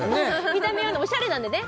見た目はおしゃれなんでね